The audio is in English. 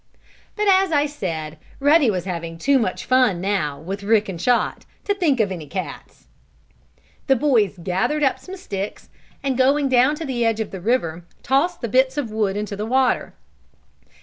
But, as I said, Ruddy was having too much fun, now, with Rick and Chot to think of cats. The boys gathered up some sticks, and going down to the edge of the river, tossed the bits of wood into the water.